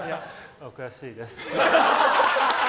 悔しいです。